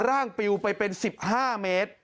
ร่างปิวไปเป็น๑๕เมตร